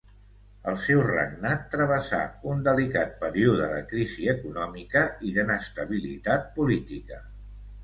El seu regnat travessà un delicat període de crisi econòmica i d'inestabilitat política.